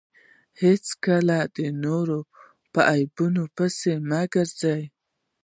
هېڅکله د نورو په عیبو پيسي مه ګرځه!